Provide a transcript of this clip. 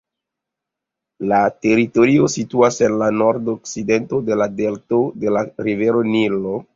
La teritorio situas en la nordokcidento de la delto de la rivero Nilo.